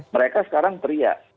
mereka sekarang teriak